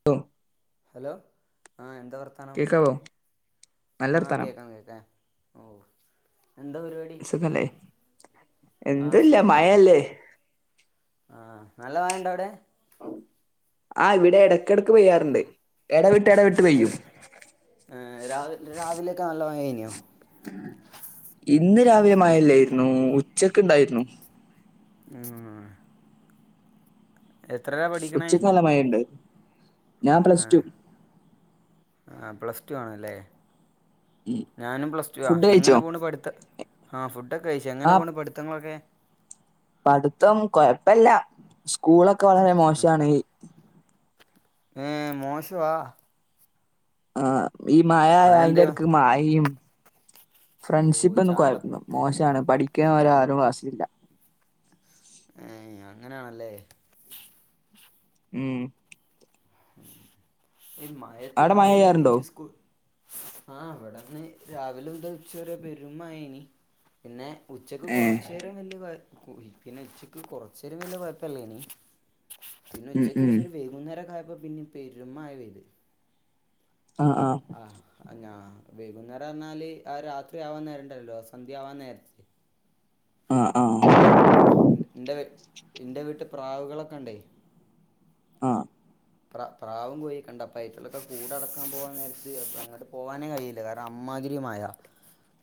[inaudible] Hello ആഹ് എന്താ വർത്താനം കേക്കാവോ നല്ല ആഹ് വർത്താനം കേൾക്കാ കേക്കാ ഓഹ് എന്താ പരിപാടി സുഖല്ലേ ആ എന്തുല്ല മയല്ലേ ആഹ് നല്ല മയണ്ടോ അവിടെ ആഹ് ഇവിടെ ഇടക്കിടക്ക് പെയ്യാറുണ്ട് ഇട വിട്ട അ ഏാവ രാവിലെൊക്കെ നല്ല മയെന്യോ ഇന്ന് രാവിലെ മയല്ലായിരുന്നു ഉച്ചക്ക ഉണ്ടായിരുന്നു ഉം എത്രയാ പഠിക്കണേ ഉച്ചക്ക് നല്ല മഴ ഉണ്ട് ഞാ പ്ലസ് ടടു ആഹ് പ്ലസ് ടു ആണല്ലേ ഞാനും പ്ലസ് ടു ഫുഡ് ആഹ് കഴിച്ചോ എങ്ങനെ പോണ് പഠിത്ത ആഹ് ഫുഡൊക്കെ അയിച്ചു എങ്ങനെ ആ പോണ് പഠിത്തങ്ങളൊക്കെ പഠിത്തം കൊഴപ്പല്ല സ്കൂളൊക്കെ വളരെ മോശണ് യെ മോശവാ ആഹ് ഈ മായ അതെന്ത് അയിന്റെ എട്ക്ക് മായയും ഓ ഫ്രണ്ട്ഷിപ്പേന്ന്യ കൊയ ചാട്ടപ്പ് മോശണ് പഠിക്ക്യാൻ ഒര് [unintelligible] യെ അങ്ങനെണല്ലേ ഉം മയത്ത് അവിടെ മഴ രാവിലെ പെയ്യാറുണ്ടോ നീച് സ്കൂ ആഹ് അവിടെ ഇന്ന് രാവിലെ മുതല് ഉച്ചവരെ പെരുമയെനി പിന്നെ ഉച്ചക്ക് ഏ കൊറച്ച് [unintelligible] പിന്നെ ഉച്ചക്ക് കൊറച്ചേരും വല്ല്യ കൊഴപ്പേല്ലേനി പിന്നെ ഉം ഉച്ചയ്ക്ക് ഉം ശേഷം ഒര് വൈകുന്നേരം ആയപ്പോ പിന്നെ പെരും മയപെയ്ത് ആഹ് ആഹ് ആഹ് ഞാ വൈകുന്നേരം എന്നാല് ആഹ് രാത്രി ആവാൻ നേരോണ്ടല്ലോ സന്ധ്യ ആവാൻ നേര ആഹ് ആ ആ [unintelligible] എൻ്റെ വീട്ടി പ്രാവ്കളൊക്കെ ഇണ്ടേ ആഹ് പ്ര പ്രാവും കോയികേ ഇണ്ട അപ്പം [unintelligible] കൂടെ അടക്കാൻ പോവാൻ [unintelligible] അങ്ങോട്ട് പോകാനേ കയല്ലാ കാര അമ്മതിരി മയാ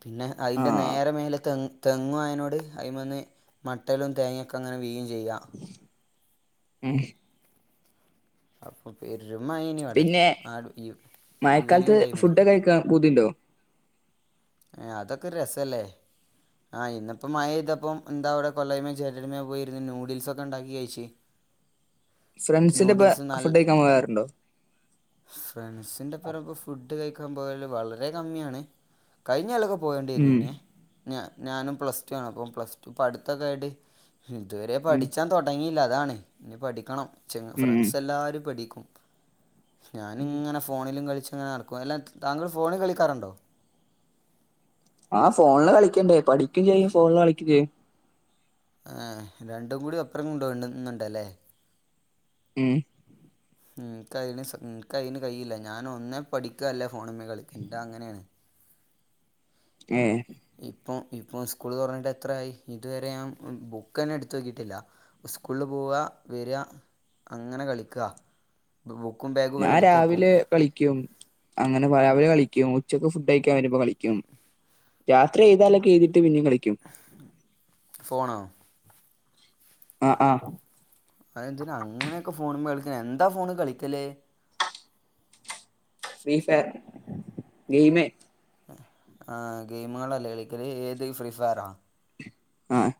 പിന്നെ അയിൻ്റെ ആഹ് നേരെ മേലാത്തേ തെങ്ങും അയ്നോട് അയ്മേന് മട്ടലും തേങ്ങയൊക്കെ അങ്ങനെ വീയും ചെയ്യ്യാ ഉം അപ്പൊ പെര്മയേനി അവടെ പിന്നെ [unintelligible] ഇവനിങ് ടൈമിന് [unintelligible] പുതിണ്ടോ ആഹ് അതൊക്കെര് രസല്ലേ ആഹ് ഇന്ന് ഇപ്പോ മഴതേപ്പം എന്താ അവടെ [unintelligible] പോയിരുന്നു ന്യൂഡിൽസോക്കെ ഒണ്ടാക്കി കഴിച്ചേ ഫ്രണ്ട്സിന്റെ ന്യൂഡിൽസ് ഒപ്പം നൽ ഫുഡ് കഴിക്കാൻ പോകാറുണ്ടോ ഫ്രണ്ട്സിന്റെ [unintelligible] ഫുഡ് കയിക്ക്യാൻ പോയല് വളരെ കമ്മിയാണ് കയിഞ്ഞ കൊല്ലാക്കെ പോയേണ്ടിരന്ന് ഉം ഇനി ഞാൻ ഞാനും പ്ലസ് ടൂ ആണ് അപ്പം പ്ലസ് ടൂ പഠ്ത്താക്ക്യായിട്ട് ഇത് വേരെ ഉം പഠിച്ചാൻ തൊടങ്ങിയില്ല അതാണ് ഇനി പഠിക്കണം ച്ച് ഉം ഉം ഫ്രണ്ട്സ് എല്ലാരും പഠിക്കും ഞാന് ഇങ്ങനെ ഫോണിലും കളിച്ച് അങ്ങനെ നടക്കും അല്ലാ താങ്കള് ഫോണി കളിക്ക്യാറോണ്ടോ ആഹ് ഫോണില് കളിക്ക്യാണ്ടേ പഠിക്കും ചെയ്യും ഫോണില് കളിക്ക്യാ ചെയ്യും ആഹ് രണ്ടും കൂടി ഒപ്പറം കൊണ്ട് വേണ്ടേന്നാണ്ടല്ലേ ഉം ഉം എന്ക്ക് അയ്ന് സ ഉം എന്ക്ക് അയിന് കയില്ലാ ഞാൻ ഒന്നേ പഠിക്കും അല്ലേ ഫോണിമ്മേ കളിക്കം എന്റെ അങ്ങനൊണ് ഏഹ് ഇപ്പം ഇപ്പൊ സ്കൂള് തൊറന്ന്ട്ട് എത്രായി ഇത് വേരെ ഞാൻ ബുക്കെന്നെ എട്ത്ത് നോക്കിയിട്ടില്ല സ്കൂളില് പോവാ വെരാ അങ്ങനെ കളിക്കാ ബുക്കും ബേ ഞാൻ രാവിലെ കളിക്കും അങ്ങനെ രാവിലെ കളിക്കും ഉച്ചക്ക് ഫുഡ് കയിക്കാൻ വെര്മ്പോ കളിക്കും രാത്രി എഴ്താൻ ഇളളക്കേ എഴ്തിയിട്ട് പിന്നേയും കളിക്കും ഫോണോ ആഹ് ആഹ് അത് എന്തിനാ അങ്ങനെയൊക്കെ ഫോണ് മ്മേ കളിക്കണേ എന്താ ഫോണ് കളിക്കല് ഫ്രീ ഫയർ ഗെംയ്മേ ആഹ് ഗെയ്മ്കളാല്ലേ കളിക്കാല് ഏത് ഫ്രീ ഫയറാ ആഹ്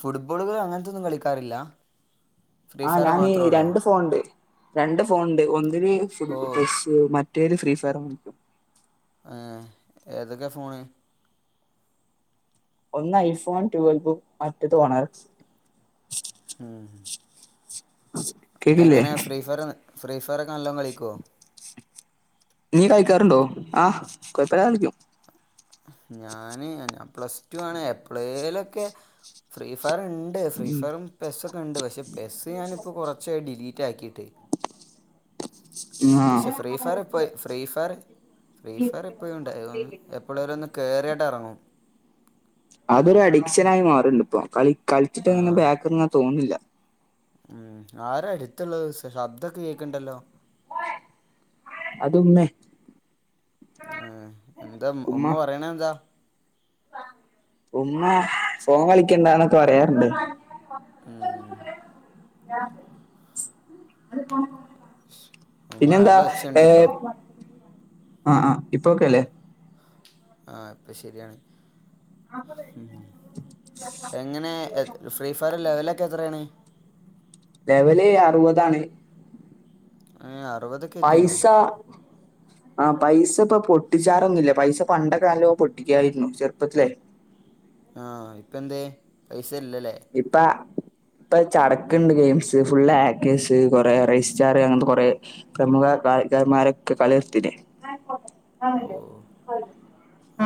ഫുട്ബോള് കളി അങ്ങനത്തൊന്നും കളിക്കാറില്ലാ ആഹ് ഞാനി രണ്ട് ഫോണ് ഇണ്ട് രണ്ട് ഫോണ് ഇണ്ട് ഒന്നിന് ഫു ഓ [unintelligible] ക്കും മറ്റേതില് ഫ്രീ ഫയറൂം കളിക്കും ആഹ് ഏതൊക്കെ ഫോണ് ഒന്ന് ഐഫോൺ റ്റൊൽവും മറ്റേത് [unintelligible] ഉം കേക്കില്ലേ എങ്ങനെ ഫ്രീ ഫയറ് ഫ്രീ ഫയറാക്കെ നല്ലോ കളിക്കോ? നീ കളിക്കാറുണ്ടോ? ആഹ് കൊയപ്പല്ലാതെ കളിക്കും ഞാന് ഞാൻ പ്ലസ് ടു ആണ് എപ്പളെലൊക്കെ ഫ്രീ ഫയർ ഇൺ ണ്ട് ഫ്രീ ഫയറും പെസ്സൊക്കെ ഇണ്ട് പക്ഷെ പെസ്സ് ഞാനിപ്പോ കൊറച്ചായി ഡിലീറ്റാക്കിയിട്ട് ഉം ആഹ് പക്ഷെ ഫ്രീ ഫയറ് ഇപ്പോ ഫ്രീ ഫയറ് ഫ്രീ ഫയറ് എപ്പഴും ഇണ്ട് [unintelligible] എപ്പളേലും ഒന്ന് കെറിയിട്ട് എറങ്ങും അതൊരു അഡിക്ഷനായി മാറ്ണ്ട്പ്പോ കളി കളിച്ചിട്ട് ആ ഇങ്ങനെ ബാക്ക് ഇങ്ങനെ തോന്നില്ല ഉം ആരാ അട്ത്ത്‌ള്ളത് സ ശബ്ദൊക്കെ കേക്ക്ണ്ടല്ലോ അതുമ്മേ ഏഹ് എന്താ ഉ ഉമ്മ പറയണ എന്താ? ഉമ്മ ഫോൺ കളിക്കണ്ടാന്നൊക്കെ പറയാറ്ണ്ട് ഉം ഉമ്മ പിന്നെന്താ നല്ല ഒച്ചയുണ്ട് ഏഹ് കേട്ടോ ആഹ് ആഹ് ഇപ്പൊ ഒക്കെയല്ലേ ആഹ് ഇപ്പ ശരിയാണ് ഉം എങ്ങനെ എ ഫ്രീ ഫയർ ലെവലൊക്കെ എത്രയാണ്? ലെവല് അറുപതാണ് ഏഹ് അറുപത് പൈസ ആഹ് പൈസ ഇപ്പ പൊട്ടിച്ചാറൊന്ന്ല്ല പൈസ പണ്ടൊക്കെ നല്ലോം പൊട്ടിക്കായിരുന്നു ചെറ്പ്പത്തിലേ ആഹ് ഇപ്പന്തേ പൈസ ഇല്ലല്ലേ ഇപ്പ ഇപ്പ ചട്ക്ക്ണ്ട് ഗെയിംസ് ഫുള്ള് ആക്കെഴ്സ് കൊറെ റെയ്സ്റ്റാർ അങ്ങൻത്തെ കൊറെ പ്രമുഖ [unintelligible] കളി നിർത്തില്ലേ ഓ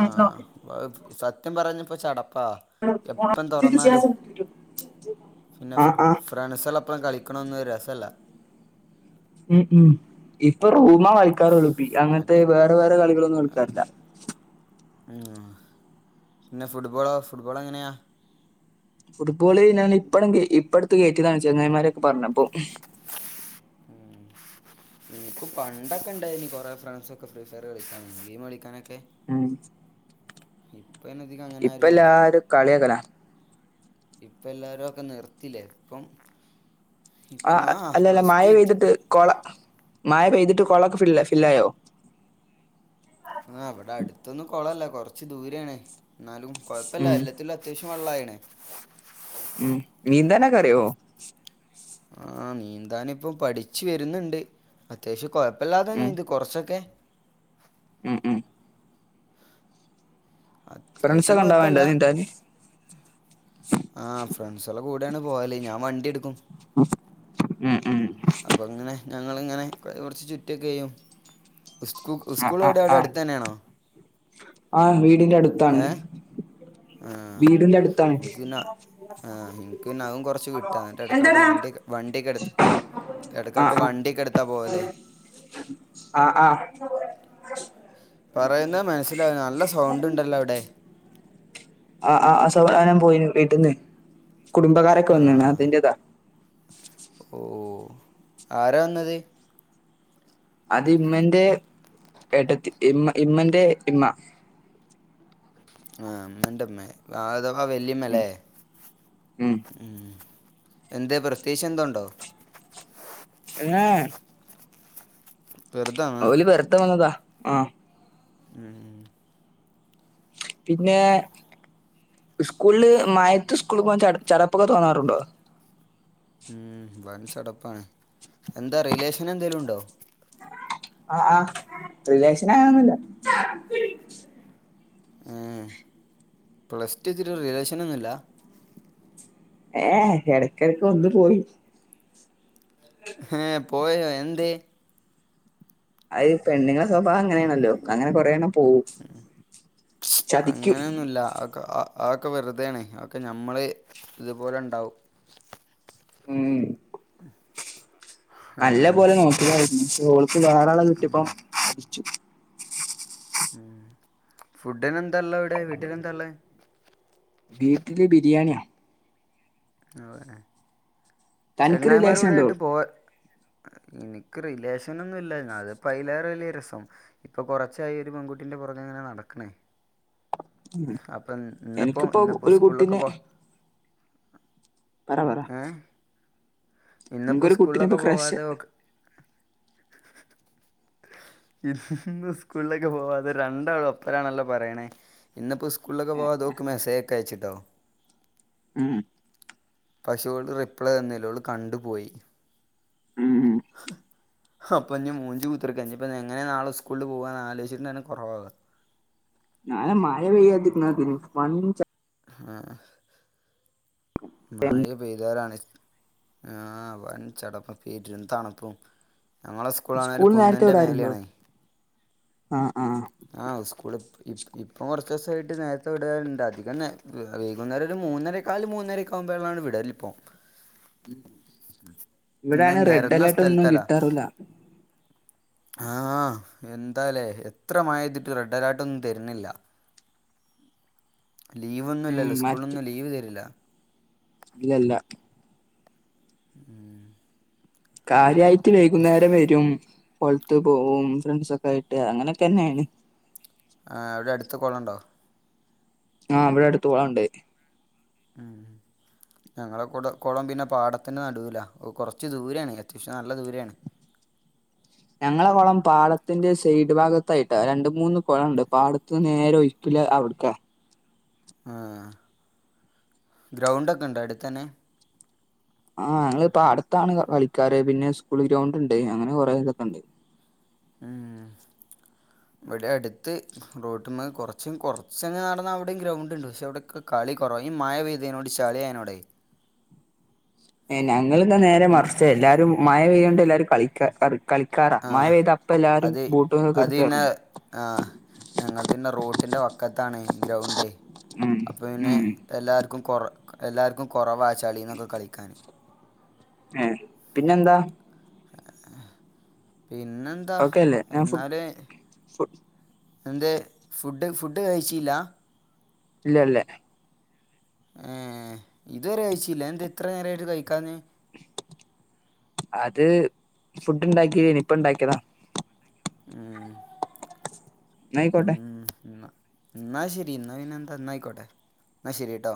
ആഹ് സത്യം പറഞ്ഞാപ്പ ചടപ്പാ എപ്പം തൊറന്നാലും പിന്നെ ആഹ് ആഹ് [unintelligible] ഫ്രണ്ട്സ്ളോപ്പം കളിക്കണോന്നും ഒര് രസല്ലാ ഉം ഉം ഇപ്പ റൂമാ കളിക്കാറോള്ളൂ പി അങ്ങൻത്തെ മറ്റേ വേറെ വേറെ കളികളൊന്നും എട്ക്കാറില്ല ഉം പിന്നെ ഫുട്ബോളോ ഫുട്ബോളെങ്ങനെയാ ഫുട്ബോള് ഞാന് ഇപ്പാണെങ്ക് ഇപ്പട്ത്ത് കേറ്റിയതാണ് ചെങ്ങായിമാരൊക്കെ പറഞ്ഞപ്പോ ഉം ഉം ക്ക് പണ്ടൊക്കെണ്ടായിനി കൊറെ ഫ്രണ്ട്സൊ ക്കെ ഫ്രീഫയറ് കളിക്കാൻ ഗെയിം കളിക്കാനൊക്കെ ഉം ഇപ്പയ്നതികം ഇപ്പല്ലാരും കളിയാക്കലാ ഇപ്പ എല്ലാരും അഒക്കെ നിർത്തില്ലേ ഇപ്പം ഇപ്പം ആഹ് ആഹ അല്ലല്ല പ്ലസ് മഴ ടു എത്തി പെയ്തിട്ട് കൊള മഴ പെയ്തിട്ട് കൊളൊക്കെ ഫില്ല ഫില്ലായോ ആഹ് വെടെ അട്ത്തൊന്നും കൊളല്ല കൊറ്ച്ച് ദൂരേണ് ന്നാലും കൊഴപ്പില്ല ഉം എല്ലത്തിലും ത്യാവിശ്യം വള്ളായ്ണ് ഉം നീന്താനൊക്കറിയോ ആഹ് നീന്താന്പ്പം പഠിച്ച് വര്ന്ന്ണ്ട് അത്യാവിശ്യം കൊഴപ്പെല്ലാതെ ഉം നീന്തും കൊറ്ച്ചൊക്കെ ഉം ഉം അത്യാവിശ്യം ഫ്രണ്ട്സൊക്കെ കൊഴ്പ്പല്ല ഉണ്ടാവേണ്ടോ നീന്താന് ആഹ് ഫ്രണ്ട്സാളെ കൂടെയാണ് പോവല് ഞാൻ വണ്ടിട്ക്കും ഉം ഉം അപ്പ ങ്ങനെ ഞങ്ങളിങ്ങനെ കൊറർച്ച് ചുറ്റുഒക്കെ ചെയ്യും ഉസ്കൂ ഉസ്കൂളോവ്ടെ അവ്ടെ അട്ത്തന്നെയാണോ ആഹ് വീടിന്റെ അട്ത്താണ് ആഹ് ഇൻക്ക് പിന്നാ ആഹ് ഇൻക്ക് പിന്നെ അതും കൊർച്ച് വിട്ടാ ന്ന്ട്ട് എടക്ക്എടക്ക് വണ്ടിയൊക്കെ വണ്ടിയൊക്കെ എട്ത്ത് ആ എടക്കെടക്ക് ആ വണ്ടിയൊക്കെടുത്താ പോവല്. ആഹ് ആഹ് പറയുന്നെ മനസ്സിലാവൂലാ നല്ല സൗണ്ട് ഉണ്ടല്ലോ അവ്ടെ. ആഹ് ആഹ് അസൗ അവധാനം പോയിനു വീട്ട്ന്ന് കുടുംബക്കാരൊക്കെ വന്ന്ണ് അതിന്റെതാ. ഓഹ് ആരാ വന്നത്? അത് ഇമ്മന്റെ ഏട്ടത്തി ഇമ്മ ഇമ്മന്റെ ഇമ്മ. ആഹ് ഇമ്മന്റെമ്മേ ആഥവാ വെല്ലിമ്മലെ ഉം എന്തെ പ്രത്യേഗിച്ച് എന്തോണ്ടോ? ഏ ഏ വെറുതെ വന്നതാ? ഓല് വെർതെ വന്നതാ ആഹ് ഉം പിന്നെ ഇസ്കൂളില് മയത്ത് സ്കൂൾ പോവാൻ ചട് ചടപ്പൊക്കെ തോന്നാറുണ്ടോ? ഉം വൻ ചടപ്പാണ് എന്താ റിലേഷൻ എന്തേലുണ്ടോ? ആഹ് ആഹ് റിലെഷനങ്ങനൊന്നുല്ല. എഹ് പ്ലസ്റ്റു എത്തിട്ട് റിലേഷനൊന്നുല്ല. ഏഹ് എടക്ക് എടക്ക് ഒന്ന്പോയി. ഹേ പോയോ എന്തെ? അയ് പെണ്ണ്ങ്ങളെ സ്വഭാവം അങ്ങനേണല്ലോ അങ്ങനെ കൊറേയെണ്ണം ഉം ചതിക്കും അങ്ങനെയൊന്നുല്ല അതൊക്കെ ആഹ്. അതൊക്കെ വെറുതേണ് അതൊക്കെ ഞമ്മള് ഇത്പോലെണ്ടാവും. ഉം നല്ല ഏ. പോലെ നോക്കിയതാണ് ഇന്ന്ട്ടോള് ക്ക് വേറാളെ കിട്ടിയപ്പ ചതിച്ചു. ഉം ഫുഡിനെന്താള്ളത് അവ്ടെ വീട്ടിലെന്താള്ളേ? വീട്ടില് ബിരിയാണിയാ ഓഹ് എഹ് തനിക്ക് ചെങ്ങായിമാരൂടെ റിലേഷൻ ഉണ്ടോ കൂടായ്ട്ട് പോവ് ഇനിക്ക് റിലേഷനൊന്നുല്ലയ് അത്പ്പയിലേറെ വല്ല്യ രസം. ഇപ്പൊ കൊറച്ചായി ഒര് പെൺകുട്ടിയിന്റെ പൊറകെങ്ങനെ നടക്ക്ണ്. അപ്പംന്ന്പ്പോ എനിക്കിപ്പോ ഇന്ന്പ്പോ ഒരു കുട്ടീനെ ഉസ്കൂളിലൊക്കെപൊ പറ പറ ഇന്ന്പ്പോ എനിക്കൊരു കുട്ടീനെ ഇപ്പൊ ഉസ്കൂളിലൊക്കെ ക്രഷ് പോവാതെ ഓക്ക് ഇസ്സ് ഇന്ന് ഇസ്കൂളിലൊക്കെ പോവാതെ രണ്ടാള് ഒപ്പരാണല്ലോ പറയണേ ഇന്നിപ്പോ ഉസ് കൂള്ലേക്ക് പോകാതെ ഓക്ക് മെസ്സേജോക്കെയച്ച്ട്ടോ ഉം പഷെ ഓൾ റിപ്ലൈ തന്നില ഓൾ കണ്ട്പോയി ഉം ഹ് ഹ അപ്പൊഞ്ഞി മൂഞ്ചി കുത്തർക്ക ഇഞ്ഞിപ്പെന്നെങ്ങെനെ ന്നാളെ ഉസ്കൂളില് പോവാന്ന് ആലോച്ചിട്ടന്നെ കൊറവാക ന്നാളെ മഴ പെയ്യാതിര്ന്നാതിയെനി വണ്ടി ച ആഹ് മയ പേയ്യ്താലാണ് ആഹ് വൻ ചടപ്പും പേരുംതണ്പ്പും ഞങ്ങളെ ഉസ്കൂളാണേ ഒര് സ്കൂൾ നേരത്തെ കുന്നിൻ്റെ വിടാറുണ്ടോ മെലെയാണ് ആഹ് ആഹ് ആഹ് ഉസ്കൂള് ഇപ് ഇപ്പം കൊർച്ചോസായിട്ട് ന്നേരത്തെ വിടാറ്ണ്ട് അധികംന്നേ വെ വൈകുന്നേരം ഒര് മൂന്നര കാല് മൂന്നരൊക്കെ ആകുമ്പോളാണ് വിടല് പ്പോ ഇനെ ഇവിടാണ് റെഡ് നെരന്ന അലേർട്ട് ഒന്നും സ്ഥലത്തല കിട്ടാറില്ല ആഹ് എന്താലേ എത് എത്ര മഴെയ്യ്ത്ട്ടും റെഡ് അലാർട്ടൊന്നും തെരുന്നില്ല ലീവൊന്നും ഉം ഇല്ലല്ലോ സ്കൂളിനൊന്നും ലീവ് തരില്ല ഇല്ലല്ലാ ഉം കാര്യയിട്ട് വൈകുന്നേരം വരും പൊലത്തു പോവും ഫ്രണ്ട്സൊക്കെ ആയിട്ട് അങ്ങനെയൊക്കെയാണ് ആ അവിടെ അടുത്ത കൊളണ്ടോ ആഹ് ഇവിടെ അടുത്തുവണ്ട് ഉം ഞങ്ങളെ കുടം കൊളം പിന്നെ പാടത്തിന് നടുവില കൊറച്ച് ദൂരെയാണ് അത്യാവശ്യം നല്ല ദൂരെയാണ് ഞങ്ങളെ കൊളം പാടത്തിന്റെ സൈഡ് ഭാഗത്തായിട്ടാ രണ്ട് മൂന്ന് കൊളണ്ട് പാടത്ത് നേര ഒയ് കല്ല് അവിടുക്ക ആഹ് ഗ്രൗണ്ടൊക്കെ ഉണ്ടോ അടുത്തന്നെ ആഹ് ഞങ്ങള് പാടത്താണ് കളിക്കാറ് പിന്നെ സ്കൂൾ ഗ്രൗണ്ട് ഉണ്ട് അങ്ങനെ കുറെ ഇതൊക്കെ ഉണ്ട് ഉം ഇവിടെ അടുത്ത് റോട്ട്മ്മേ കുറച്ചും കുറച്ചങ് നടന്നാ അവിടെയും ഗ്രൗണ്ട് ഉണ്ട് പക്ഷെ അവിടെ കളി കുറവ മഴ പെയ തനോടെ ചളിയാണവുടെ ഏ ഞങ്ങൾന്നാ നേരെ മറിച്ച എല്ലാരും മഴ പെയ്തണ്ട് എല്ലാരും കളിക്ക കള് കളിക്കാറാ ആ മഴ പെയ്ത അപ്പ എല്ലാവാരും അത് ബൂട്ട്ന്നൊക്കെ എടുത്തെറങ്ങും ഞങ്ങൾത് പിന്നെ റോട്ടിന്റെ വക്കത്താണ് ഗ്രൗണ്ട് ഉം ഉം എല്ലാർക്കും കൊറ എല്ലാവർക്കും കൊറവ ചളിന്നൊക്കെ കളിക്കാന് ഹ് പിന്നെന്താ ആഹ് പിന്നെ എന്താ ഓക്കെ അല്ലേ ഞാൻ ഫു എന്നാല് ഫു എന്ത് ഫുഡ് ഫുഡ് കഴിച്ചില്ല ഇല്ലല്ല ഏഹ് ഇതുവരെ കയിച്ചില്ല എന്തേ ഇത്ര നേരമായിട്ട് കഴിക്കാന്ന് അത് ഫുഡ് ഉണ്ടാക്കിലനി ഇപ്പ ഇണ്ടാക്കിയതാ ഉം എന്നാ ആയിക്കോട്ടെ മ് ന്ന ന്നാ ശരി ന്നയിനന്താ ന്നയിക്കോട്ടെ ന്ന ശരിട്ടോ